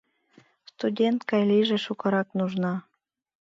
Студент гай лийже шукырак нужна!